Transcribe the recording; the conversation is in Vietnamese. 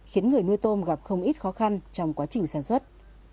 khiến người nuôi tôm gặp không ít khó khăn trong quá trình sản xuất